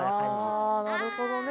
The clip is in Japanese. あなるほどね。